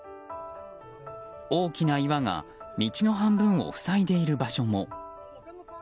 大きな岩が道の半分を塞いでいる場所も。